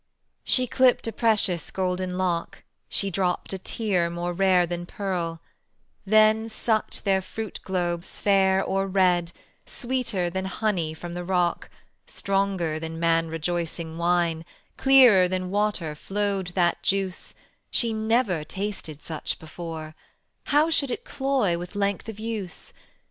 She clipped a precious golden lock, She dropped a tear more rare than pearl, Then sucked their fruit globes fair or red: Sweeter than honey from the rock, Stronger than man rejoicing wine, Clearer than water flowed that juice; She never tasted such before, How should it cloy with length of use?